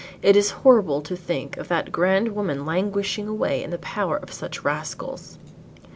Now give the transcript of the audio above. "It is horrible to think of that grand woman languishing away in the power of such rascals."